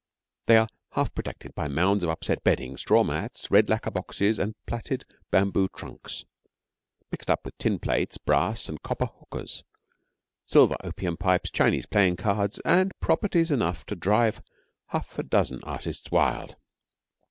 They are half protected by mounds of upset bedding, straw mats, red lacquer boxes, and plaited bamboo trunks, mixed up with tin plates, brass and copper hukas, silver opium pipes, Chinese playing cards, and properties enough to drive half a dozen artists wild.